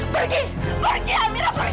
pergi pergi amira pergi